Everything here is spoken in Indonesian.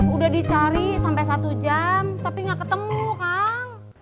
udah dicari sampai satu jam tapi gak ketemu kang